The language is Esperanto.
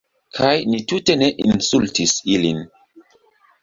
Kaj ni tute ne insultis ilin.